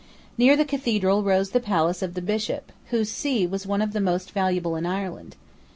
Near the Cathedral rose the palace of the Bishop, whose see was one of the most valuable in Ireland.